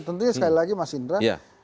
tentunya sekali lagi mas indra